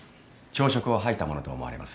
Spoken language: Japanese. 朝食を吐いたものと思われます。